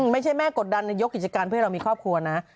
ไม่ใช่แม่กดดันในยกกิจการเพื่อให้เรามีครอบครัวนะ